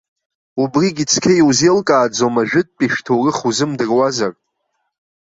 Убригьы цқьа иузеилкааӡом ажәытәтәи шәҭоурых узымдыруазар.